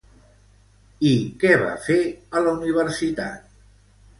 I què va fer a la universitat?